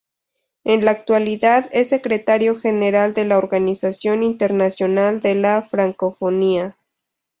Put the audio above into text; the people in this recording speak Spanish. En la actualidad es Secretario General de la Organización Internacional de la Francofonía.